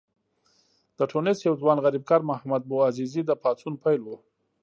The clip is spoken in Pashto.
د ټونس یو ځوان غریبکار محمد بوعزیزي د پاڅون پیل و.